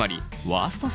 ワースト？